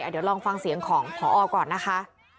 เดี๋ยวลองฟังเสียงของพอก่อนนะคะ